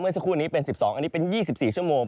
สักครู่นี้เป็น๑๒อันนี้เป็น๒๔ชั่วโมง